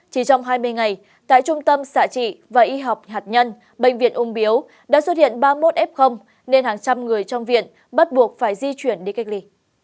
chỉ trong hai mươi ngày tại trung tâm xạ trị và y học hạt nhân bệnh viện ung biếu đã xuất hiện ba mươi một f nên hàng trăm người trong viện bắt buộc phải di chuyển đi cách ly